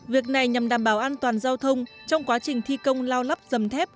việc này nhằm đảm bảo an toàn giao thông trong quá trình thi công lao lắp dầm thép